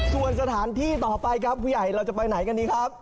ส่วนสถานที่ต่อไปครับผู้ใหญ่เราจะไปไหนกันดีครับ